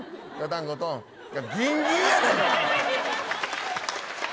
ギンギンやねん。